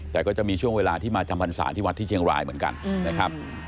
แต่ก็จะมีช่วงเวลาที่มาจำพรรษาที่วัดที่เชียงรายเหมือนกันนะครับ